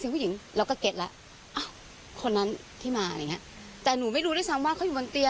บอกว่าเธอพยายามไปดูลงกว่าเนโนมัติ